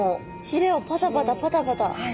ひれをパタパタパタパタ。